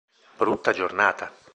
Brutta giornata!